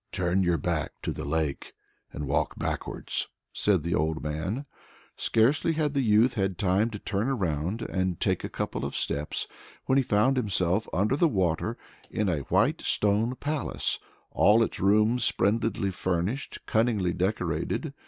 "Turn your back to the lake and walk backwards," said the old man. Scarcely had the youth had time to turn round and take a couple of steps, when he found himself under the water and in a white stone palace all its rooms splendidly furnished, cunningly decorated.